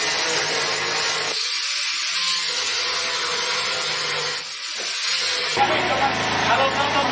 อันดับที่สุดท้ายก็จะเป็น